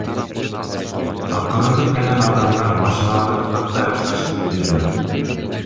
Акырындык менен адамдар машиналарды каттай башташат, — деди ал.